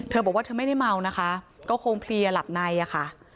บอกว่าเธอไม่ได้เมานะคะก็คงเพลียหลับในอะค่ะ